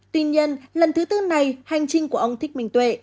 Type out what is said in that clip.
tuy nhiên lần thứ tư này hành trình của ông thích minh tuệ